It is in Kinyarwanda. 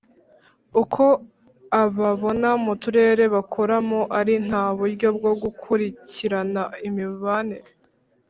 Uko ababona mu Turere bakoramo ari nta buryo bwo gukurikirana imibanire